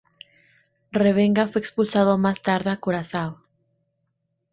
Revenga fue expulsado más tarde a Curazao.